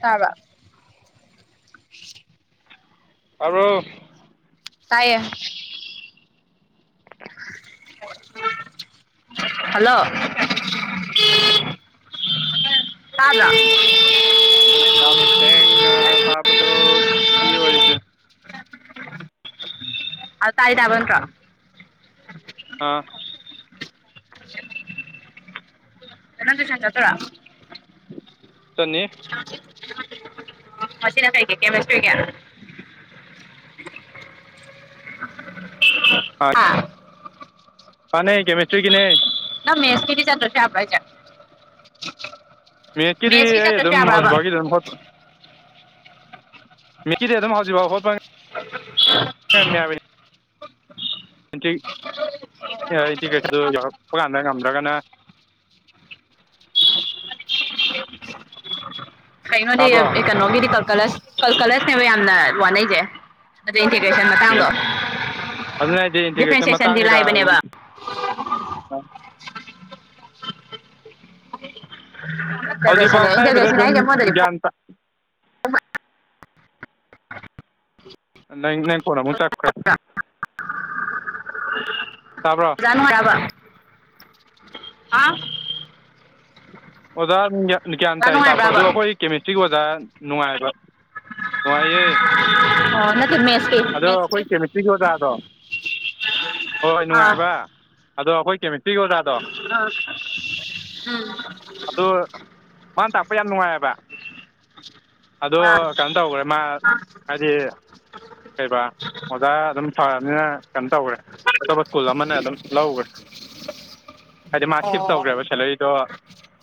ꯇꯥꯔꯕ ꯇꯕ꯭ꯔꯣ ꯇꯥꯏꯌꯦ ꯍꯜꯂꯣ ꯇꯥꯗ꯭ꯔꯣ ꯊꯪ ꯁꯦꯡꯅ ꯇꯥꯕꯗꯣ ꯖꯤ ꯑꯣꯏꯗ ꯑꯗ ꯇꯥꯏ ꯇꯕꯅꯇ꯭ꯔꯣ ꯑꯥ [unintelligible] ꯇꯨꯏꯁꯜ ꯆꯠꯇꯣꯏꯔꯣ ꯆꯠꯅꯤ [unintelligible] ꯀꯦꯃꯦꯁꯇ꯭ꯔꯤꯒꯤ ꯑꯥ [unintelligible] ꯄꯥꯟꯅꯦ ꯀꯦꯃꯤꯦꯁꯇ꯭ꯔꯤ ꯒꯤꯅꯦ ꯅꯪ ꯃꯦꯁꯀꯤꯗꯤ ꯆꯗ꯭ꯔꯁꯨ ꯌꯥꯕ꯭ꯔ ꯍꯥꯏꯁꯦ ꯃꯤꯠꯀꯤꯗꯤ ꯃꯦꯠꯁꯀꯤ ꯑꯩ ꯆꯠꯇ꯭ꯔꯁꯨ ꯑꯗꯨꯝ ꯌꯥꯕ꯭ꯔꯕ ꯍꯧꯖꯤꯛꯐꯥꯎꯒꯤ ꯑꯗꯨꯝ ꯍꯣ ꯃꯤꯀꯤꯗꯤ ꯑꯗꯨꯝ ꯍꯧꯖꯤꯐꯥꯎꯣꯠꯄ ꯎ [unintelligible] ꯀꯃꯦ ꯌꯥꯕ ꯇ ꯏꯟꯇꯤꯒ꯭ꯔꯦꯁꯟꯗꯨ ꯌꯧꯔꯛꯄ ꯀꯥꯟꯗ ꯉꯝꯗ꯭ꯔꯒꯅ ꯀꯩꯅꯣꯗꯤ ꯇꯥꯕ꯭ꯔꯣ ꯀꯩꯅꯣꯒꯤꯗꯤ ꯀꯜꯀꯂꯁ ꯀꯜꯀꯂꯁꯅꯦꯕ ꯌꯥꯝꯅ ꯋꯥꯅꯩꯁꯦ ꯑꯗꯨ ꯏꯟꯇꯤꯒ꯭ꯔꯦꯁꯟ ꯃꯇꯥꯡꯗꯣ ꯑꯗꯨꯅ ꯍꯥꯏꯗꯤ ꯏꯟꯇꯤꯒ꯭ꯔꯦꯁꯟ ꯃꯇꯥꯡ ꯗꯤꯐ꯭ꯔꯦꯟꯁꯤꯌꯦꯁꯟꯗꯤ ꯀꯩꯀꯥ ꯂꯥꯏꯕꯅꯦꯕ ꯏꯟꯇꯒ꯭ꯔꯦꯁꯟꯅꯦ ꯍꯧꯖꯤꯛꯐꯥꯎ ꯇꯛꯏꯕꯗ ꯏꯟꯇꯒ꯭ꯔꯦꯁꯟ ꯑꯗꯨꯝ ꯍꯥꯏꯁꯦ ꯑꯃꯔꯣꯝꯗꯗꯤ ꯒꯤꯌꯥꯜ ꯅꯪ ꯅꯪ ꯐꯣꯜ ꯑꯃꯨꯛ ꯆꯞꯈ꯭ꯔꯦ ꯐꯣꯛꯇ꯭ꯔꯥ ꯇꯥꯕ꯭ꯔꯣ [unintelligible] ꯍꯥ ꯑꯣꯖꯥ ꯒ꯭ꯌꯥꯟ ꯑꯣꯖꯥ ꯇꯥꯏ ꯇꯞꯄ ꯅꯨꯡꯉꯥꯏꯕ꯭ꯔꯕ ꯑꯗꯣ ꯑꯩꯈꯣꯏ ꯀꯦꯃꯤꯁꯇ꯭ꯔꯤꯒꯤ ꯑꯣꯖꯥ ꯅꯨꯡꯉꯥꯏꯕ ꯅꯨꯡꯉꯥꯏꯌꯦ ꯑꯣ ꯅꯠꯇ ꯃꯦꯁ ꯑꯗꯣ ꯑꯩꯈꯣꯏ ꯀꯦꯃꯤꯁꯇ꯭ꯔꯤꯒꯤ ꯑꯣꯖꯥꯗꯣ ꯍꯣꯏ ꯑꯥ ꯅꯨꯡꯉꯥꯏꯕ ꯑꯗꯣ ꯑꯩꯈꯣꯏ ꯀꯦꯁꯇ꯭ꯔꯤꯒꯤ ꯑꯣꯖꯥꯗꯣ ꯑ ꯎꯝ [unintelligible] ꯑꯗꯣ ꯃꯥꯅ ꯇꯥꯛꯄ ꯌꯥꯝ ꯅꯨꯡꯉꯥꯏꯑꯕ [unintelligible] ꯑꯗꯣ ꯑꯥ ꯀꯩꯅꯣ ꯇꯧꯈ꯭ꯔꯦ ꯃꯥ ꯍꯥꯏꯗꯤ ꯀꯩꯕ ꯑꯣꯖꯥ ꯑꯗꯨꯝ ꯐꯕꯅꯤꯅ ꯀꯩꯅꯣ ꯇꯧꯈ꯭ꯔꯦ ꯑꯇꯣꯞꯄ ꯁ꯭ꯀꯨꯜ ꯑꯃꯅ ꯑꯗꯨꯝ ꯂꯧꯈ꯭ꯔꯦ ꯍꯥꯏꯗꯤ ꯃꯥ ꯁꯤꯦꯞ ꯑꯣ ꯇꯧꯈ꯭ꯔꯦꯕ ꯁꯦꯂꯔꯤꯗꯣ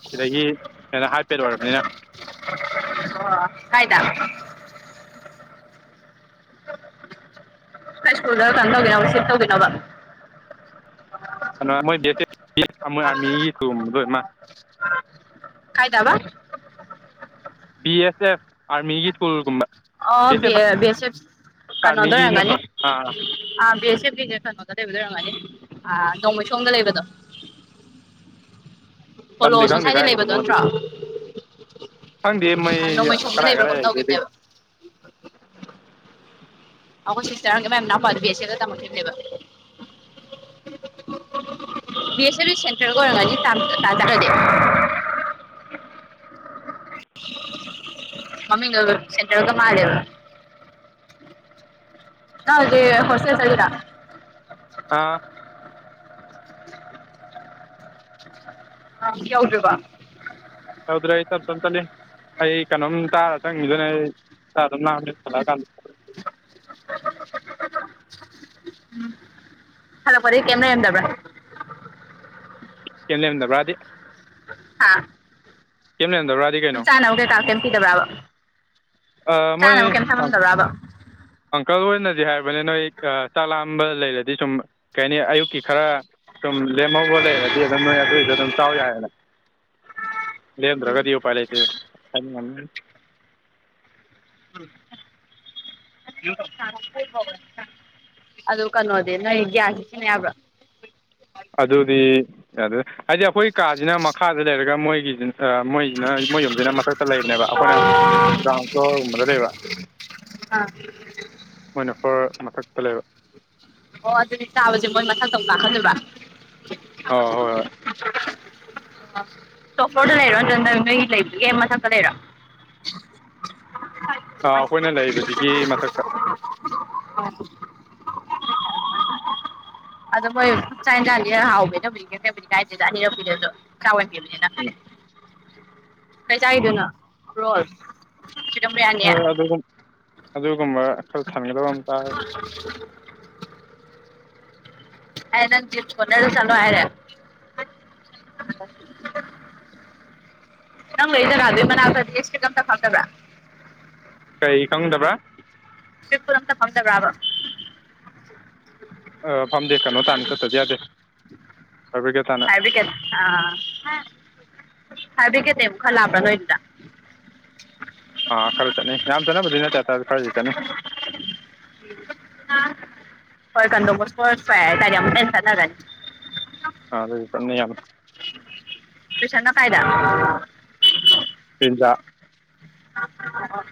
ꯁꯤꯗꯒꯤ ꯀꯩꯅꯣ ꯍꯥꯏ ꯄꯦꯗ ꯑꯣꯏꯔꯕꯅꯤꯅ ꯑꯣ ꯀꯥꯏꯗ ꯍꯥꯏ ꯁ꯭ꯀꯨꯜꯗ ꯀꯩꯅꯣ ꯇꯧꯒꯅꯣ ꯁꯤꯞ ꯇꯧꯒꯅꯣ ꯃ ꯑꯔꯃꯤ ꯊꯝ ꯂꯣꯏ ꯃꯥ ꯀꯥꯏꯗꯕ ꯕꯤ ꯑꯦꯁ ꯑꯦꯐ ꯑꯥꯔꯃꯤꯒꯤ ꯁ꯭ꯀꯨꯜꯒꯨꯝꯕ ꯑꯣ ꯕꯤ ꯑꯦꯁ ꯑꯦꯐ ꯀꯩꯅꯣꯗ ꯑꯥꯔꯃꯤꯒꯤ ꯑꯣꯏꯔꯝꯒꯅꯤ ꯅꯠꯇ꯭ꯔꯣ ꯑꯥ ꯑꯥ ꯕꯤ ꯑꯦꯁ ꯑꯦꯐꯀꯤꯅꯦ ꯀꯟꯅꯣꯒꯗ ꯂꯩꯕ ꯂꯩꯣꯏꯔꯝꯃꯅꯤ ꯑ ꯅꯣꯡꯃꯩ ꯁꯣꯝꯗ ꯂꯩꯕꯗꯣ ꯂꯝꯗꯤ ꯄꯣꯂꯣꯁꯣ ꯈꯪꯗꯦ ꯁ꯭ꯋꯥꯏꯗ ꯂꯩꯕꯗꯣ ꯅꯠꯇ꯭ꯔꯣ ꯍꯪꯗꯤ ꯃꯩ ꯅꯣꯡꯃꯩꯁꯣꯡꯗ ꯀꯗꯥꯥꯏ ꯂꯩꯕ꯭ꯔꯥ ꯀꯔꯏ ꯀꯩꯅꯣꯝ ꯂꯩꯗꯦꯗꯤ ꯇꯧꯈꯤꯕꯅꯦꯕ ꯑꯩꯈꯣꯏ ꯁꯤꯁꯇꯔ ꯀ ꯃꯦꯝꯅꯅꯥ ꯄꯥꯕꯤꯦ ꯇꯥ ꯊꯝ ꯂꯩꯕ ꯕꯤ ꯑꯦꯁ ꯑꯦꯐꯕꯤꯁ ꯁꯦꯟꯇꯔꯒ ꯑꯣꯏꯔꯅꯤ ꯇꯥꯖꯥꯔꯗꯤꯦ ꯃꯃꯤꯒ ꯁꯦꯟꯈꯔꯒ ꯃꯥꯦꯕ ꯍꯗꯦ ꯍꯁ ꯆ ꯂꯩꯗ ꯑꯥ ꯌꯎꯗ꯭ꯔꯤꯕ ꯇꯧꯗ꯭ꯔꯦ ꯑꯩ ꯆꯞ ꯆꯝ ꯆꯠꯂꯤ ꯑꯩ ꯀꯩꯅꯣꯝ ꯇꯥꯔ ꯆꯪꯉꯗꯨꯅꯦ ꯑꯩ ꯆꯥꯗꯝ ꯂꯥꯛꯅꯤ ꯆꯠꯂꯛꯑꯀꯥꯟꯗ ꯍꯂꯣ ꯀꯔꯤ ꯀꯦꯃꯦꯥ ꯌꯦꯡꯗꯕ꯭ꯔꯥ ꯀꯩ ꯂꯩꯔꯗꯕ꯭ꯔꯥꯗꯤ ꯀꯦꯝ ꯂꯩꯦꯟꯗꯧ꯭ꯔꯣ ꯇꯨ ꯆꯥꯅꯧꯦ ꯀꯥ ꯀꯦꯝꯝꯤꯗꯕ꯭ꯔꯕ ꯃꯣꯏ ꯆꯥꯏ ꯑꯃ ꯀꯦꯟ ꯊꯝꯗꯕ꯭ꯔꯥꯕꯣ ꯑꯪꯀꯜ ꯑꯣꯏꯅꯗꯤ ꯍꯥꯏꯔꯕꯅꯤ ꯅꯣꯏ ꯆꯥꯛ ꯂꯥꯝꯕ ꯂꯩꯔꯗꯤ ꯁꯨꯝ ꯀꯩ ꯍꯥꯏꯅꯤ ꯑꯌꯨꯛꯀꯤ ꯈꯔ ꯁꯨꯝ ꯂꯦꯝꯍꯧꯕ ꯂꯩꯔꯗꯤ ꯑꯗꯨꯝ ꯅꯣꯏ ꯑꯗꯨꯏꯗꯣ ꯑꯗꯨꯝ ꯆꯥꯎ ꯌꯥꯏꯌꯦꯅ ꯂꯍꯟꯗ꯭ꯔꯒꯗꯤ ꯎꯄꯥꯏ ꯂꯥꯇꯦ ꯎꯝ [unintelligible] ꯑꯗꯨ ꯀꯩꯅꯣꯗꯤ ꯅꯣꯏ ꯒ꯭ꯌꯥꯁ ꯁꯤ ꯁꯤꯟꯅ ꯌꯥꯕ꯭ꯔꯥ ꯑꯗꯨꯗꯤ ꯌꯥꯗ ꯍꯥꯏꯗꯤ ꯑꯩꯈꯣꯏ ꯀꯥꯁꯤꯅ ꯃꯈꯥꯗ ꯂꯩꯔꯒ ꯃꯣꯏꯒꯤꯁꯤ ꯃꯣꯏꯁꯤꯅ ꯃꯣꯏ ꯌꯨꯝꯁꯤꯅ ꯃꯊꯛꯇ ꯂꯩꯕꯅꯦꯕ ꯑꯩꯈꯣꯏꯅ ꯒ꯭ꯔꯥꯎꯟ ꯐ꯭ꯂꯣꯔꯒꯨꯝꯕꯗ ꯂꯩꯕ ꯃꯣꯏꯅ ꯐ꯭ꯂꯣꯔ ꯃꯊꯛꯇ ꯂꯩꯕ ꯑꯣ ꯑꯗꯨꯗꯤ ꯆꯥꯕꯁꯦ ꯃꯣꯏ ꯃꯊꯛꯇꯪ ꯇꯥꯈꯠꯂꯕ꯭ꯔ ꯑꯥ ꯍꯣꯏ ꯍꯣꯏ ꯑ ꯇꯣꯄꯣꯔꯗ ꯂꯩꯔꯣ ꯅꯠꯇ꯭ꯔꯅ ꯅꯣꯏ ꯂꯩꯕꯒꯤ ꯃꯊꯛꯇ ꯂꯩꯔꯣ ꯑꯩꯈꯣꯏꯅ ꯂꯩꯔꯤꯕꯁꯤꯒꯤ ꯃꯊꯛꯇ ꯍ ꯑꯗꯣ ꯃꯣꯏ ꯆꯥꯛ ꯌꯦꯟꯖꯥꯡꯗꯤ ꯍꯥꯎꯕꯤꯗꯕꯨꯗꯤ ꯀꯩꯛꯇꯕꯨꯗꯤ ꯀꯥꯏꯗꯦꯗ ꯑꯅꯤꯔꯛꯄꯤꯗꯁꯨ ꯆꯥꯎꯥꯎꯍꯟꯕꯤꯕꯅꯤꯅ ꯀꯩ ꯆꯥꯏꯗꯨꯅꯣ ꯔꯣꯜ ꯆꯤꯛꯀꯟ ꯕꯤꯔꯌꯥꯅꯤ ꯍꯣꯏ ꯑꯗꯨꯒ ꯑꯗꯨꯒꯨꯝꯕ ꯈꯔ ꯊꯟꯒꯗꯕ ꯑ ꯍꯥꯏ ꯅꯪ ꯞꯣꯟꯅꯔꯣ ꯁꯜꯋꯥ ꯍꯥꯏꯔꯦ ꯑ ꯅꯪ ꯂꯩꯗꯔ ꯑꯗꯨ ꯃꯅ꯭ꯔ ꯌꯦꯁ ꯝ ꯇꯄꯥꯛ꯭ꯔ ꯀꯥꯏ ꯈꯪꯗꯕ꯭ꯔ ꯇꯤꯄꯨꯔꯝ ꯐꯝꯗꯕ꯭ꯔꯕꯝ ꯑ ꯐꯝꯗꯦ ꯀꯩꯅꯣ ꯇꯥꯅ ꯆꯠꯇꯗꯤ ꯌꯥꯗꯦ ꯍꯥꯏ ꯍꯥꯏ ꯕꯔꯤꯀꯦꯠ ꯑꯥ ꯐ ꯕ꯭ꯔꯤꯀꯦꯠꯅꯦ ꯑꯃꯨꯛ ꯈꯜꯂꯥꯛꯑꯕ꯭ꯔꯥ ꯅꯣꯏꯅꯤꯅ ꯑꯥ ꯈꯔ ꯇꯅꯦ ꯌꯥꯝ ꯇꯅꯕꯨꯗꯤ ꯅ ꯇꯦ ꯈꯔꯗꯤ ꯇꯅꯦ ꯍꯣꯏ ꯀꯟꯣꯕꯨꯁꯄꯁ ꯐ ꯇ ꯑꯃꯦꯟꯁ ꯒꯥꯅꯤ ꯑꯥ ꯑꯗꯨ ꯇꯠꯅ ꯌꯥꯅ ꯇꯨꯢꯁꯟꯅꯥ ꯀꯥꯏꯗ ꯄꯤꯖꯥ ꯑꯣ ꯑꯣ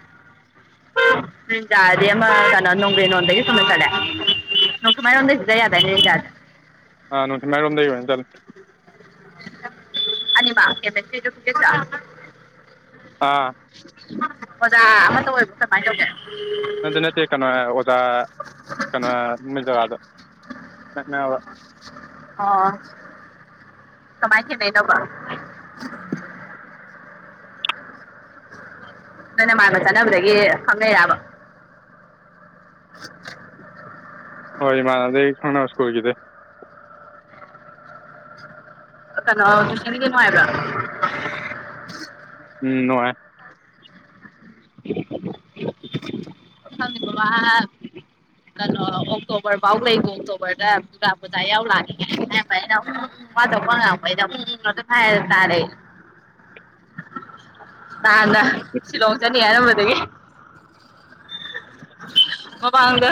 ꯇ꯭ꯔꯤꯖꯥ ꯑꯗꯤ ꯑꯃ ꯀꯩꯅꯣ ꯅꯣꯡꯒ꯭ꯔꯦꯟ ꯅꯣꯟꯗꯒꯤ ꯆꯨꯝꯅ ꯆꯠꯂꯦ [unintelligible] ꯆꯠ ꯌꯥꯗꯥꯢꯅꯦ ꯇ꯭ꯔꯤꯖꯥꯁꯦ ꯑꯥ ꯆꯤꯡ ꯃꯩꯔꯣꯝꯗꯩ ꯑꯣꯏꯅ ꯆꯠ [unintelligible] ꯑꯥ ꯑꯣꯖꯥ ꯑꯃꯇ ꯑꯣꯏꯕ꯭ꯔꯣ ꯀꯃꯥꯏꯅ ꯇꯧꯒꯦ ꯅꯗꯤ ꯅꯠꯇꯦ ꯀꯩꯅꯣ ꯑꯣꯖꯥ ꯀꯩꯅꯣ ꯅꯨꯃꯤ ꯖꯒꯥꯗ ꯅꯛꯅꯕ ꯑꯣ ꯀꯃꯥꯏ ꯊꯦꯡꯅꯩ ꯅꯣꯕ ꯅꯣꯏ ꯅꯃꯥꯅ ꯆꯠꯅꯕꯗꯒꯤ ꯈꯪꯅꯩꯔꯕ [inaudible] ꯍꯣꯏ ꯏꯃꯥꯟꯅꯗꯩ ꯈꯪꯅꯕ ꯁ꯭ꯀꯨꯜꯒꯤꯗꯩ ꯀꯩꯅꯣ ꯇꯨꯢꯁꯟꯒꯤꯗꯨ ꯅꯨꯉꯥꯢꯕ꯭ꯔ ꯎꯝ ꯅꯨꯡꯉꯥꯏ [inaudible] ꯋꯥ ꯀꯩꯅꯣ ꯑꯣꯛꯇꯣꯕꯔ ꯐꯥꯎ ꯂꯩꯒꯣ ꯑꯣꯛꯇꯣꯕꯔꯗ ꯗꯨꯒꯥ ꯄꯨꯖꯥ ꯌꯥꯎ ꯂꯥꯛꯀꯦ ꯍꯥꯏꯅꯕꯅꯤ ꯃꯥ ꯊꯣꯛꯄ ꯄꯨꯉꯥꯡ ꯉꯥꯡꯕꯅꯤꯅ ꯎꯡ ꯎꯡ ꯉꯥꯛꯇ ꯍꯥꯢꯔ ꯇꯥꯔꯦ ꯑꯩ ꯅꯍꯥꯟꯅ ꯁꯤꯂꯣꯡ ꯆꯠꯅꯤ ꯍꯥꯏꯔꯝꯕꯗꯒꯤ [inaudible] ꯃꯃꯥꯡꯗ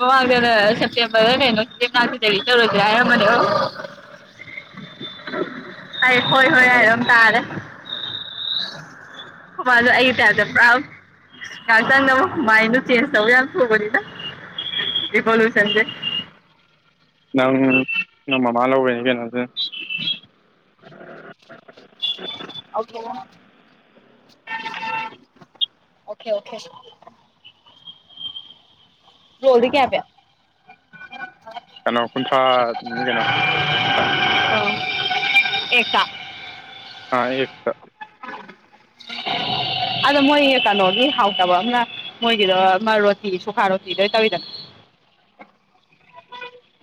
ꯃꯃꯥꯡꯗꯅ ꯁꯦꯞꯇꯦꯝꯕꯔꯔ ꯀꯩꯅꯣꯁꯤꯗꯤ [unintelligible] ꯍꯥꯏꯔꯝꯕꯅꯦꯕ ꯑꯩ ꯍꯣꯏ ꯍꯣꯏ ꯍꯥꯏꯔ ꯑꯗꯨꯝ ꯇꯥꯔꯦ ꯈꯣꯢ ꯕꯥꯁꯨ ꯑꯩꯒꯤ ꯇꯥꯏꯞꯇ ꯄꯨꯔꯥ ꯉꯥꯛꯇꯪꯗ ꯃꯥꯏꯟꯗꯨ ꯆꯦꯟꯖ ꯇꯧ ꯌꯥꯝ ꯊꯨꯕꯅꯤꯅ ꯏꯚꯣꯂꯨꯁꯟ ꯁꯦ ꯅꯪ ꯅꯪ ꯃꯃꯥ ꯂꯧꯕꯩꯅꯤ ꯀꯩꯅꯣ ꯑꯗꯨꯅꯥ ꯑꯣꯈꯦ ꯑꯣꯈꯦ ꯑꯣꯈꯦ ꯔꯣꯜꯗꯤ ꯀꯌꯥ ꯄꯤ ꯀꯩꯅꯣ ꯀꯨꯟꯊ꯭ꯔꯥꯅꯤ ꯀꯩꯅꯣ ꯑꯣ ꯑꯦꯛꯇ ꯑꯥ ꯏꯌꯦꯛꯇ ꯑꯗꯣ ꯃꯣꯏ ꯀꯩꯅꯣꯒꯤ ꯍꯥꯎꯇꯕ ꯑꯃꯅ ꯃꯣꯏꯒꯤꯗꯣ ꯑꯃ ꯔꯣꯇꯤ ꯁꯨꯈꯥ ꯔꯣꯇꯤꯗꯨ ꯑꯣꯏ ꯇꯧꯋꯤꯗꯅ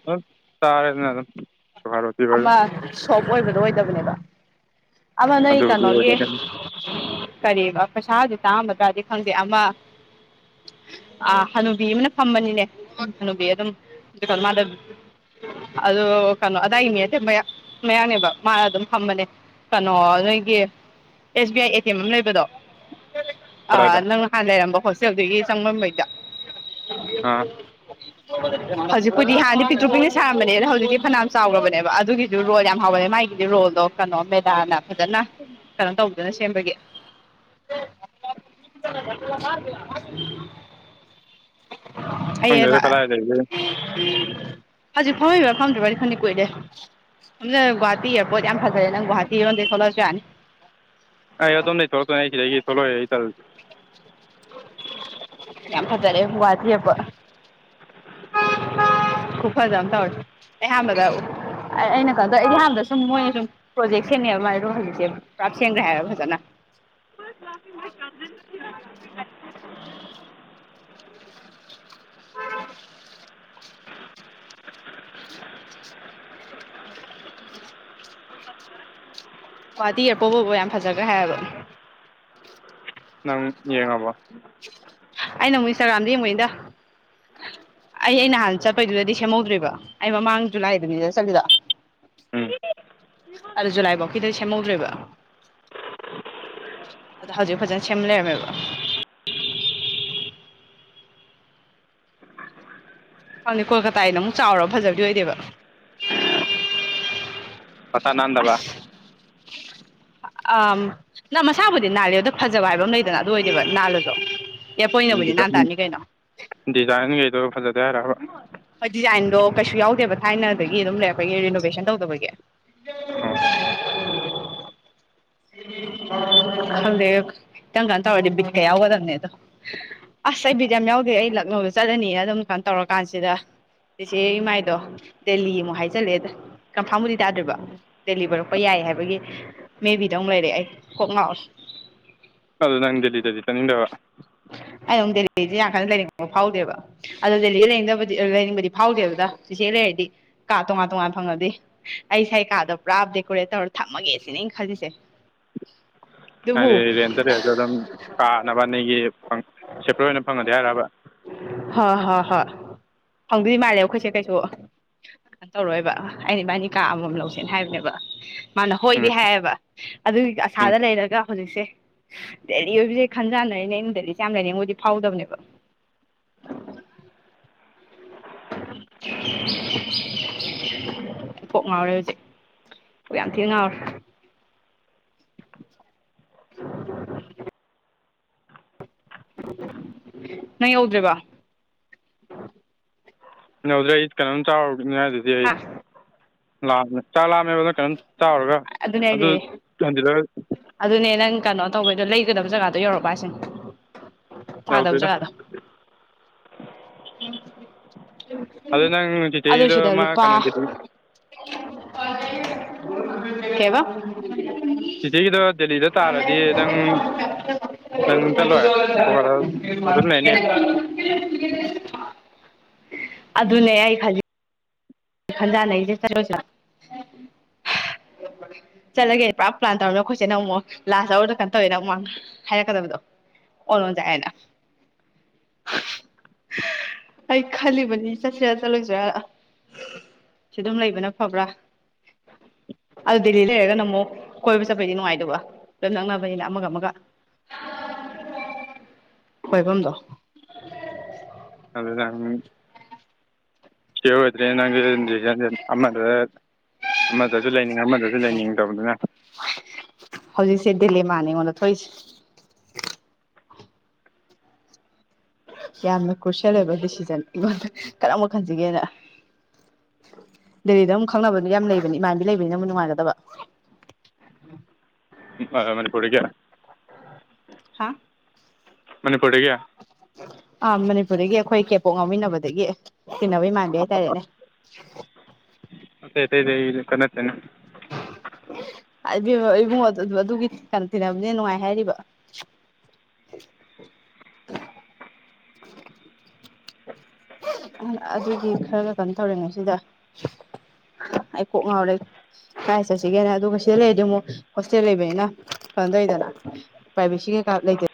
ꯑꯗꯨꯝ ꯆꯥꯔꯦꯗꯅ ꯑꯗꯨꯝ ꯁꯨꯒꯔ ꯔꯣꯇꯤ ꯑꯣꯏꯔꯣ ꯑꯃ ꯁꯣꯐ ꯑꯣꯏꯕꯗꯣ ꯑꯣꯏꯗꯕꯅꯦꯕ ꯑꯃ ꯅꯣꯏ ꯑꯗꯨꯕꯨꯗꯤ ꯀꯩꯅꯣꯒꯤ ꯑꯣꯏꯔꯣꯏꯗꯣꯏꯅꯤ ꯀꯔꯤꯕ ꯄꯩꯁꯥꯒꯗꯤ ꯇꯥꯡꯂꯝꯒꯗ꯭ꯔꯥ ꯈꯪꯗꯦ ꯑꯃ ꯑ ꯍꯅꯨꯕꯤ ꯑꯃꯅ ꯐꯝꯕꯅꯤꯅꯦ ꯍꯅꯨꯕꯤ ꯑꯗꯨꯝ ꯃꯥꯗꯨ ꯑꯗꯨ ꯀꯩꯅꯣ ꯑꯗ ꯑꯗꯥꯏꯗꯤ ꯃꯤ ꯅꯇꯦ ꯃꯌꯥꯡꯅꯦꯕ ꯃꯥ ꯑꯗꯨꯝ ꯐꯝꯕꯅꯦ ꯀꯩꯅꯣ ꯅꯣꯏꯒꯤ S B I A T M ꯑꯃ ꯂꯩꯕꯗꯣ ꯀꯗꯥꯏꯗ ꯑꯥ ꯅꯪ ꯍꯥꯟ ꯂꯩꯔꯝꯕ ꯍꯣꯁꯇꯦꯜꯗꯨꯒꯤ ꯆꯪꯕꯝꯂꯩꯗ ꯑꯥ ꯍꯧꯖꯤꯛꯄꯨꯗꯤ ꯍꯥꯟꯅꯗꯤ ꯄꯤꯛꯇ꯭ꯔꯨ ꯄꯤꯛꯅ ꯁꯥꯔꯝꯕꯅꯦ ꯑꯗ ꯍꯧꯖꯤꯛꯇꯤ ꯐꯅꯥꯌꯥꯝ ꯆꯥꯎꯔꯕꯅꯦꯕ ꯑꯗꯨꯒꯤꯗꯨ ꯔꯣꯜ ꯌꯥꯝ ꯍꯥꯎꯕꯅꯦ ꯃꯥꯒꯤꯗꯤ ꯔꯣꯜꯗꯣ ꯀꯩꯅꯣ ꯃꯦꯗꯥꯅ ꯐꯖꯅ ꯀꯩꯅꯣ ꯇꯧꯗꯅ ꯁꯦꯝꯕꯒꯤ [inaudible] [unintelligible] ꯑꯩꯑꯦꯒ ꯈꯪꯗꯦꯗ ꯀꯗꯥꯏ ꯂꯩꯕꯒꯦ ꯍꯧꯖꯤꯛ ꯐꯝꯃꯤꯕ ꯐꯝꯗꯕꯗꯤ ꯈꯪꯗꯦ ꯀꯨꯏꯔꯦ ꯁꯝꯅ ꯒꯨꯍꯥꯇꯤ ꯏꯌꯥꯔꯄꯣꯔꯠ ꯌꯥꯝ ꯐꯖꯔꯦ ꯅꯪ ꯒꯨꯍꯥꯇꯤꯔꯣꯝꯗꯒꯤ ꯊꯣꯛꯂꯛꯑꯁꯨ ꯌꯥꯅꯤ ꯑꯩ ꯑꯗꯣꯝꯗꯩ ꯊꯣꯛꯂꯛꯇꯣꯏꯅꯦ ꯑꯩ ꯁꯤꯗꯒꯤ ꯊꯣꯛꯂꯛꯑꯣꯏ ꯑꯩ ꯇꯜꯂꯤ ꯌꯥꯝ ꯐꯖꯔꯦ ꯒꯨꯋꯥꯇꯤ ꯏꯌꯥꯔꯄꯣꯔꯇ ꯈꯨꯐꯖ ꯑꯝ ꯇꯧꯔꯦ ꯑꯩ ꯑꯍꯥꯟꯕꯗ ꯑꯩ ꯑꯩꯅ ꯈꯪꯟꯗ ꯑꯩꯗꯤꯍꯥꯟꯗ ꯁꯨꯝ ꯃꯣꯏꯅ ꯁꯨꯝ ꯄ꯭ꯔꯣꯖꯦꯛ ꯁꯦꯡꯟꯅꯩꯑꯕ ꯃꯥꯏꯔꯣ ꯈꯜꯂꯤꯛꯁꯦ ꯄꯨꯔꯞ ꯁꯦꯡꯈ꯭ꯔꯦ ꯍꯥꯏꯕ ꯐꯖꯅ ꯑꯣꯏ ꯆꯗꯅꯤ [inaudible] ꯄꯦꯠ ꯄ꯭ꯔꯦꯠ [inaudible] ꯒꯨꯋꯥꯥꯇꯤ ꯏꯌꯥꯔꯄꯣꯠ ꯕꯣ ꯌꯥꯝ ꯐꯖꯈ꯭ꯔ ꯍꯥꯏꯕ ꯎꯨꯝ ꯌꯦꯡꯉꯕ ꯑꯩꯅ ꯑꯃꯨꯛ ꯏꯟꯁꯇꯥꯒ꯭ꯔꯥꯝꯗ ꯌꯦꯡꯕꯅꯤꯗ ꯑꯩ ꯑꯩ ꯅꯍꯥꯟ ꯆꯠꯄꯩꯗꯨꯗꯗꯤ ꯁꯦꯝꯍꯧꯗ꯭ꯔꯤꯕ ꯑꯩ ꯃꯃꯥꯡ ꯖꯨꯂꯥꯏ ꯑꯗꯨꯅꯤꯗꯨꯗ ꯆꯠꯂꯤꯗꯣ ꯎꯝ ꯑ ꯖꯨꯂꯥꯏꯐꯥꯎ ꯈꯤꯗꯤ ꯁꯦꯝꯍꯧꯗ꯭ꯔꯤꯕ ꯑꯗꯣ ꯍꯧꯖꯤꯛ ꯐꯖꯅ ꯁꯦꯝ ꯂꯩꯔꯝꯃꯦꯕ ꯍꯥꯏꯗꯤ ꯀꯣꯜꯀꯇꯥꯒꯤꯅ ꯑꯃꯨꯛ ꯆꯥꯎꯔꯒ ꯐꯖꯕꯗꯤ ꯑꯣꯏꯗꯦꯕ ꯃꯁꯥ ꯅꯥꯟꯗꯕ ꯁꯤ ꯑ ꯅꯪ ꯃꯁꯥꯕꯨꯗꯤ ꯅꯥꯜꯂꯤ ꯑꯗꯨꯗ ꯐꯖꯕ ꯍꯥꯏꯕ ꯑꯃ ꯂꯩꯗꯅ ꯑꯗꯨ ꯑꯣꯏꯗꯦꯕ ꯅꯥꯜꯂꯁꯨ ꯎꯝ ꯑꯦꯔꯄꯣꯔꯠꯅꯕꯨꯗꯤ ꯅꯥꯟ ꯗꯤꯖꯥꯏꯟ ꯇꯥꯅꯤ ꯀꯩꯅꯣ ꯗꯤꯖꯥꯏꯟꯈꯩꯗꯣ ꯐꯖꯗꯦ ꯍꯥꯏꯔꯕ ꯍꯣꯏ ꯗꯤꯖꯥꯏꯟꯗꯣ ꯀꯩꯁꯨ ꯌꯥꯎꯗꯦꯕ ꯊꯥꯏꯅꯗꯒꯤ ꯑꯗꯨꯝ ꯂꯩꯔꯛꯄꯒꯤ ꯔꯤꯅꯣꯕꯦꯁꯟ ꯇꯧꯗꯕꯒꯤ ꯎꯝ ꯈꯪꯗꯦ ꯈꯤꯇꯪ ꯀꯥꯟ ꯇꯧꯔꯗꯤ ꯕꯤꯠꯀ ꯌꯥꯎꯒꯗꯕꯅꯦ ꯑꯗꯣ ꯑꯁ ꯑꯩ ꯕꯤꯠ ꯌꯥꯝ ꯌꯥꯎꯗꯦ ꯑꯩ ꯂꯛꯅꯧꯗ ꯆꯠꯂꯅꯤꯅ ꯑꯗꯨꯝ ꯀꯥꯏꯅ ꯇꯧꯔꯀꯥꯟꯁꯤꯗ ꯏꯆꯦ ꯏꯃꯥꯏꯗꯣ ꯗꯦꯜꯂꯤ ꯑꯃꯨꯛ ꯍꯥꯏꯖꯠꯂꯦꯗ ꯀꯝꯐꯥꯕꯨꯗꯤ ꯇꯥꯗ꯭ꯔꯤꯕ ꯗꯦꯜꯂꯤ ꯑꯣꯏꯔꯛꯄ ꯌꯥꯏ ꯍꯥꯏꯕꯒꯤ ꯃꯦꯕꯤꯗ ꯑꯃꯨꯛ ꯂꯩꯔꯑꯦ ꯑꯩ ꯀꯣꯛ ꯉꯥꯡꯔꯦ ꯑꯗꯨ ꯅꯪ ꯗꯦꯜꯂꯤꯗꯗꯤ ꯆꯠꯅꯤꯡꯗꯕ ꯑꯩ ꯑꯃꯨꯛ ꯗꯦꯜꯂꯤꯁꯦ ꯌꯥꯝ ꯀꯟꯅ ꯂꯩꯅꯤꯡꯕꯗꯤ ꯐꯥꯎꯗꯦꯕ ꯑꯗꯣ ꯗꯦꯜꯂꯤ ꯂꯩꯅꯤꯡꯗꯕꯗꯤ ꯂꯩꯅꯤꯡꯕꯗꯤ ꯐꯥꯎꯗꯦ ꯑꯗꯨꯗ ꯆꯤꯆꯦ ꯂꯩꯔꯗꯤ ꯀꯥ ꯇꯣꯉꯥꯟ ꯇꯣꯉꯥꯟ ꯐꯪꯉꯗꯤ ꯑꯩ ꯁꯥꯏꯀꯥꯗꯣ ꯄꯨꯔꯥ ꯗꯦꯀꯣꯔꯦꯠ ꯇꯧꯔ ꯊꯝꯃꯒꯦ ꯁꯤꯅꯦ ꯈꯜꯂꯤꯁꯦ ꯑꯗꯨꯕꯨ ꯍꯥꯏꯗꯤ ꯔꯦꯟꯇ ꯔꯦꯟꯁꯨ ꯑꯗꯨꯝ ꯀꯥꯅꯕ ꯅꯒꯤ ꯁꯦꯄꯔꯦꯠ ꯑꯣꯏꯅ ꯐꯪꯒꯗꯤ ꯍꯥꯏꯔꯕ ꯍꯣꯏ ꯍꯣꯏ ꯍꯣꯏ ꯍꯪꯗꯣꯏꯗꯤ ꯃꯥꯜꯂꯦ ꯑꯩꯈꯣꯏꯁꯦ ꯀꯩꯁꯨ ꯇꯧꯔꯣꯏꯕ ꯑꯩꯗꯤ ꯏꯕꯥꯅꯤ ꯀꯥ ꯑꯃꯃꯝ ꯂꯧꯁꯦꯅ ꯍꯥꯏꯕꯅꯦꯕ ꯃꯥꯅ ꯎꯝ ꯍꯣꯏꯗꯤ ꯍꯥꯏꯌꯦꯕ ꯑꯗꯨꯒꯤ ꯎꯝ ꯑꯁꯥꯗ ꯂꯩꯔꯒ ꯍꯧꯖꯤꯛꯁꯦ ꯗꯦꯜꯂꯤ ꯑꯣꯏꯕꯁꯦ ꯈꯟꯖꯥꯟꯅꯔꯤꯅꯦ ꯑꯩꯅ ꯗꯦꯜꯂꯤ ꯌꯥꯝ ꯂꯩꯅꯤꯡꯕꯗꯤ ꯃꯣꯏꯗꯤ ꯐꯥꯎꯗꯕꯅꯦꯕ [inaudible] ꯄꯣꯛ ꯉꯥꯎꯔꯦ ꯍꯧꯖꯤꯛ ꯌꯥꯝ ꯊꯤꯅ ꯉꯥꯎꯔꯦ ꯎ ꯅꯪ ꯌꯧꯗ꯭ꯦꯔꯤꯕ ꯀꯧꯗ꯭ꯔꯦ ꯑꯩ ꯀꯩꯅꯣꯝ ꯆ ꯆꯥꯎꯔꯅꯤ ꯍꯥꯏꯗꯨꯗꯤ ꯑꯩ ꯍꯥ ꯂꯥꯛꯑꯝꯃꯦ ꯆꯥ ꯂꯥꯛꯝꯃꯦꯕꯗ ꯀꯩꯅꯣꯝ ꯇ ꯆꯥꯎꯔꯒ ꯑꯗꯨꯅꯦ ꯑꯗꯨ ꯑꯩꯗꯤ ꯊꯣꯟꯖꯤꯜꯂꯒ ꯑꯗꯨꯅꯦ ꯅꯪ ꯀꯩꯅꯣ ꯇꯧꯕꯩꯗꯣ ꯂꯩꯒꯗꯕ ꯖꯒꯥꯗꯣ ꯌꯧꯔꯛꯄ ꯍꯥꯏꯁꯦ ꯌꯥꯎꯗꯦꯗ ꯑꯗꯨ ꯅꯪ ꯑꯗꯨ ꯁꯤꯗ ꯆꯤꯆꯦꯒꯤꯗꯣ ꯃꯥ ꯂꯨꯄꯥ ꯀꯩꯅꯣ ꯀꯦꯕ [unintelligible] ꯁꯤꯤꯇꯤꯒꯤꯗꯣ ꯗꯦꯜꯂꯤꯗ ꯇꯥꯔꯗꯤ ꯅꯪ ꯅꯪ ꯆꯠꯂꯣꯏ ꯀꯣ ꯑꯗꯨꯝ ꯂꯩꯅꯦ ꯑꯗꯨꯅꯦ ꯑꯩ ꯈꯖꯩ ꯈꯟꯗꯥ ꯂꯩꯁꯦ ꯆ ꯆꯠꯂꯒꯦ ꯄꯨꯔꯥ ꯄ꯭ꯂꯥꯟꯧꯔꯤꯃꯤ ꯑꯩꯈꯣꯏꯦ ꯅꯪ ꯑꯃꯨꯛ ꯂꯥꯁ ꯑꯔꯗ ꯀꯟꯅ ꯇꯧꯋꯦ ꯅꯪ ꯑꯃꯛꯥꯡꯅ ꯍꯥꯏꯔꯛꯀꯕꯗꯣ ꯀꯣꯥꯏꯅ ꯑꯩ ꯈꯜꯂꯤꯕꯅꯤ ꯆꯠꯁꯤꯔꯥ ꯆꯠꯂꯨꯁꯤꯔꯥ ꯁꯤ ꯑꯗꯨꯝ ꯂꯩꯕꯅ ꯐꯕ꯭ꯔꯥ ꯑꯗꯨ ꯗꯦꯜꯂꯤ ꯂꯩꯔꯒꯅ ꯑꯃꯨꯛ ꯀꯣꯏꯕ ꯆꯠꯄꯩꯗꯤ ꯅꯨꯡꯉꯥꯏꯗꯕ ꯂꯝ ꯅꯛꯅꯕꯅꯤꯅ ꯑꯃꯒ ꯑꯃꯒ ꯈꯣꯏꯐꯝꯗꯣ ꯑꯗꯨ ꯇꯥꯡ [unintelligible] ꯑꯃꯗ ꯑꯃꯗꯁꯨ ꯂꯩꯅꯤꯡꯉ ꯑꯃꯗꯁꯨ ꯂꯩꯅꯤꯡꯉꯗꯕꯗꯨꯅ ꯍꯧꯖꯤꯛꯁꯦ ꯗꯦꯜꯂꯤ ꯃꯥꯅꯤ ꯑꯩꯉꯣꯟꯗ ꯊꯣꯛꯏꯁꯦ ꯌꯥꯝꯅ ꯀ꯭ꯔꯨꯁꯤꯌꯦꯜ ꯑꯣꯏꯕ ꯗꯤꯁꯤꯖꯟ ꯑꯩꯉꯣꯟꯗ ꯀꯔꯝꯕꯛ ꯈꯟꯁꯤꯒꯦꯅ ꯗꯦꯜꯂꯤꯗ ꯑꯗꯨꯝ ꯈꯪꯅꯕꯗꯨ ꯌꯥꯝ ꯂꯩꯕꯅꯤ ꯏꯃꯥꯟꯗꯤ ꯂꯩꯕꯅꯤꯅ ꯑꯃꯨꯛ ꯅꯨꯡꯉꯥꯏꯒꯗꯕ ꯃꯅꯤꯄꯨꯗꯒꯤ ꯍꯥ ꯃꯅꯤꯄꯨꯔꯗꯒ ꯑ ꯃꯅꯤꯄꯨꯔꯗꯒꯤ ꯑꯩꯈꯣꯏ ꯀꯦꯄꯣꯛ ꯉꯥꯎꯃꯤꯟꯅꯕꯗꯒꯤ ꯇꯤꯟꯅꯕꯩꯃꯅ [unintelligible] ꯕꯦꯝꯃ ꯏꯕꯨꯡꯉꯣ ꯑꯗꯨꯒꯤ ꯀꯩꯅꯣ ꯇꯤꯟꯅꯕꯅꯦ ꯅꯨꯡꯉꯥꯏ ꯍꯥꯏꯔꯤꯕ ꯑꯗꯨꯗꯤ ꯈꯔꯒ ꯀꯩꯅꯣ ꯇꯧꯔꯤꯦꯉꯩ ꯁꯤꯗ ꯑꯩ ꯀꯣꯛ ꯉꯥꯎꯔꯦ ꯂꯥꯏ ꯆꯠꯁꯤꯒꯦꯅꯦ ꯑꯗꯨꯒ ꯁꯤꯗ ꯂꯩꯔꯗꯤ ꯑꯃꯨꯛ ꯍꯣꯁꯇꯦꯜ ꯂꯩꯕꯅꯤꯅ ꯀꯩꯅꯣꯝꯗꯧꯔꯤꯗꯅ ꯄ꯭ꯔꯚꯦꯁ ꯀꯩꯥ ꯂꯩꯇꯦ